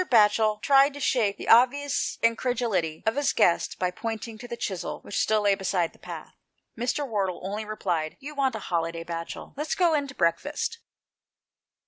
Batchel tried to 172 THE PLACE OF SAPETY. shake the, obvious incredulity of his guest by pointii^ to the chisel which still lay beside the ^th. Mr. Wardle only replied, " You want a h^day, Batchel ! Let's go in to breakfast."